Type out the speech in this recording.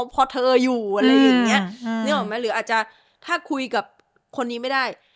พอเธออยู่อะไรอย่างนี้นึกออกไหมหรืออาจจะถ้าคุยกับคนนี้ไม่ได้